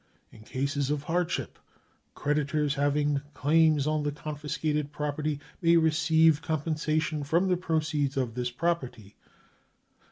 In cases of hardship creditors having claims on the confiscated property may receive compensation from the proceeds of this property.